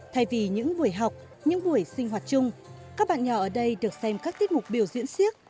thay vì những buổi học những buổi sinh hoạt chung các bạn nhỏ ở đây được xem các tiết mục biểu diễn siếc